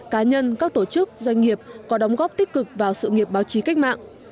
cá nhân các tổ chức doanh nghiệp có đóng góp tích cực vào sự nghiệp báo chí cách mạng